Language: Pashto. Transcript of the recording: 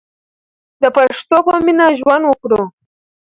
د پښتو په مینه ژوند وکړو.